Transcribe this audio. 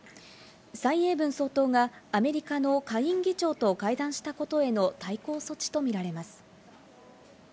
サイ・エイブン総統がアメリカの下院議長と会談したことへの対抗措置とみられます。